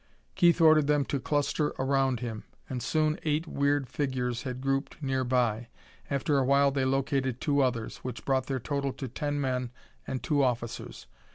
Keith ordered them to cluster around him, and soon eight weird figures had grouped nearby. After a while they located two others, which brought their total to ten men and two officers.